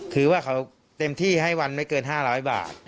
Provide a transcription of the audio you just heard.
คือว่าเขาเต็มที่ให้วันไม่เกิน๕๐๐บาท